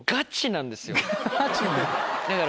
だから。